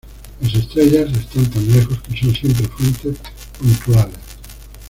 Las estrellas están tan lejos que son siempre fuentes puntuales.